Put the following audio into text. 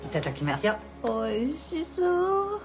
おいしそ。